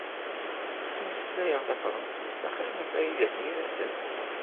Ttmeslayeɣ tafṛansist axiṛ n Farid n At Yiraten.